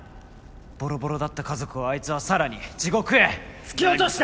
ボロボロだった家族をあいつは更に地獄へ突き落とした！